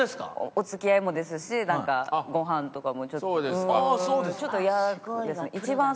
お付き合いもですしなんかごはんとかもちょっとちょっとイヤですね。